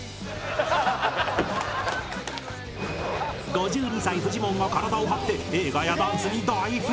５２歳フジモンが体を張って映画やダンスに大奮闘！